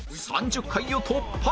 ３０回を突破！